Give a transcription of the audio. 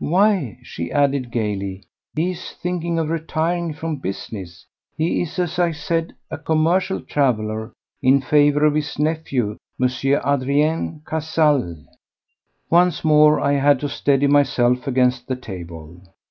"Why!" she added gaily, "he is thinking of retiring from business—he is, as I said, a commercial traveller—in favour of his nephew, M. Adrien Cazalès." Once more I had to steady myself against the table.